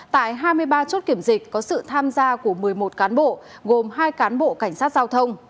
tại hai mươi ba chốt kiểm dịch có sự tham gia của một mươi một cán bộ gồm hai cán bộ cảnh sát giao thông